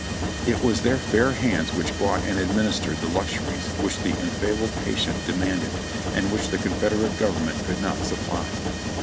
It was their fair hands which brought and administered the luxuries which the enfeebled patient de manded, and which the Confederate Government could not supply.